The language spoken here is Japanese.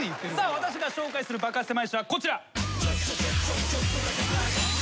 私が紹介するバカせまい史はこちら。